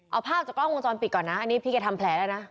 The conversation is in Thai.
เอาภาพจากกล้องวงจรปิดก่อนนะอันนี้พี่แกทำแผลแล้วนะ